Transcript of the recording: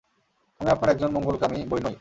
আমি আপনার একজন মঙ্গলকামী বৈ নই।